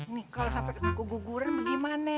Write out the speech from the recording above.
nih kalau sampai keguguran gimana